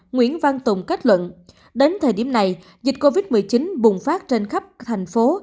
nguyễn văn tùng kết luận đến thời điểm này dịch covid một mươi chín bùng phát trên khắp thành phố